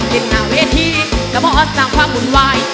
เป็นหน้าเวทีแล้วมอบสร้างความหมุนวาย